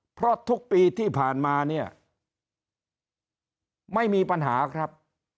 เพราะทุกปีที่ผ่านมาเนี่ยไม่มีปัญหาครับ